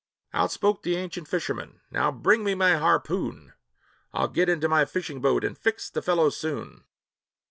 Out spoke the ancient fisherman, "Now bring me my harpoon! I'll get into my fishing boat, and fix the fellow soon."